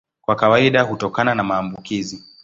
Kwa kawaida hutokana na maambukizi.